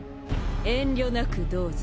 遠慮なくどうぞ。